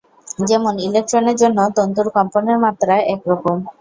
যেমন ইলেকট্রনের জন্য তন্তুর কম্পনের মাত্রা এক রকম।